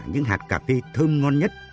những hạt cà phê thơm ngon nhất